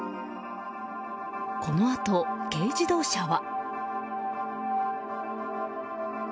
このあと軽自動車は。